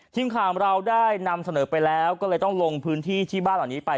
ทีมข่าวของเราได้นำเสนอไปแล้วก็เลยต้องลงพื้นที่ที่บ้านเหล่านี้ไป